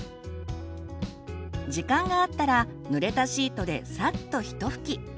時間があったらぬれたシートでさっとひと拭き。